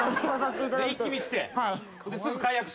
で一気見して。